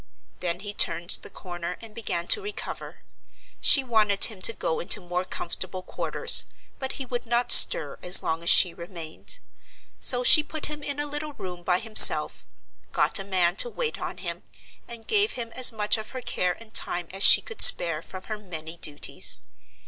Then he turned the corner and began to recover. She wanted him to go into more comfortable quarters; but he would not stir as long as she remained; so she put him in a little room by himself, got a man to wait on him, and gave him as much of her care and time as she could spare from her many duties.